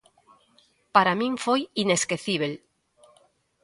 Para min foi inesquecíbel.